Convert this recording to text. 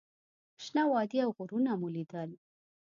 شنه وادي او غرونه مو لیدل.